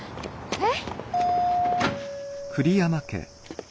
えっ？